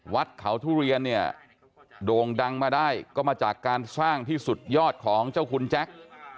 วัดเขาทุเรียนเนี่ยโด่งดังมาได้ก็มาจากการสร้างที่สุดยอดของเจ้าคุณแจ๊ค